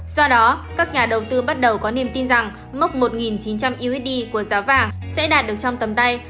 do đó các nhà đầu tư bắt đầu có niềm tin rằng mốc một chín trăm linh usd của giá vàng sẽ đạt được trong tầm tay